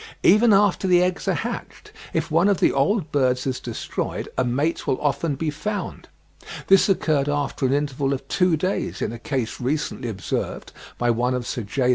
Even after the eggs are hatched, if one of the old birds is destroyed a mate will often be found; this occurred after an interval of two days, in a case recently observed by one of Sir J.